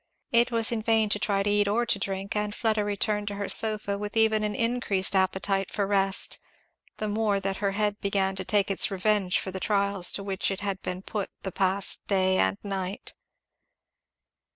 It was in vain to try to eat or to drink; and Fleda returned to her sofa with even an increased appetite for rest, the more that her head began to take its revenge for the trials to which it had been put the past day and night.